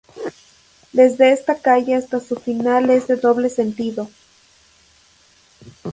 Desde esta calle hasta su final es de doble sentido.